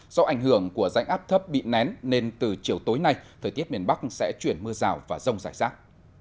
do ảnh hưởng của rãnh áp thấp bị nén nên từ chiều tối nay thời tiết miền bắc sẽ chuyển mưa rào và rông rải rác